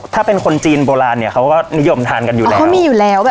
ถ้าเป็นคนจีนโบราณเนี่ยเขาก็นิยมทานกันอยู่แล้วเขามีอยู่แล้วแบบ